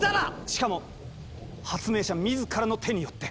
しかも発明者みずからの手によって。